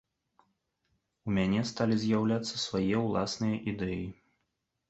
У мяне сталі з'яўляцца свае ўласныя ідэі.